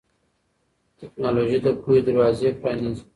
ټیکنالوژي د پوهې دروازې پرانیزي.